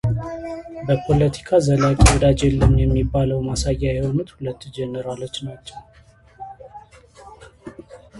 በፖለቲካ ዘላቂ ወዳጅ የለም የሚባለው ማሳያ የሆኑት ሁለቱ ጄነራሎች ናቸው